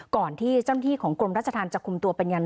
ก่อนที่เจ้าหน้าที่ของกลมราชธรรม